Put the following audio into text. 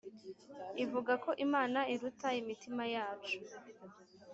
ivuga ko Imana iruta imitima yacu